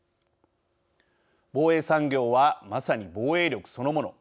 防衛産業はまさに防衛力そのもの。